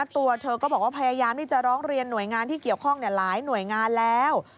ตัวเธอก็บอกว่าพยายามที่จะร้องเรียนหน่วยงานที่เกี่ยวข้องหลายหน่วยงานแล้ว